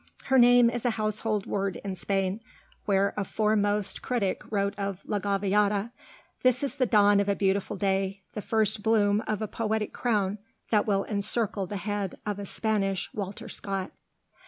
Her name is a household word in Spain, where a foremost critic wrote of 'La Gaviota': "This is the dawn of a beautiful day, the first bloom of a poetic crown that will encircle the head of a Spanish Walter Scott."